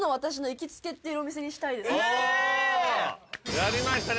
やりましたね